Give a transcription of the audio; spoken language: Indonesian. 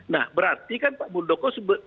nah berarti kan pak muldoko sudah berdiri